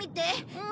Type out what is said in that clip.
うん。